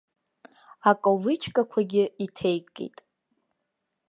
Аковычкақәагьы иҭеикит.